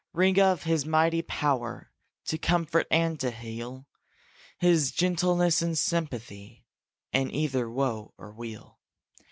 Ring of his mighty power To comfort and to heal, His gentleness and sympathy In either woe or weal.